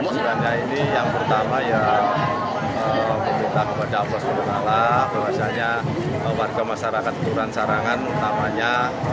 suranda ini yang pertama ya meminta kepada allah swt bahwasanya warga masyarakat turan sarangan utamanya